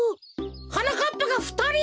はなかっぱがふたり！？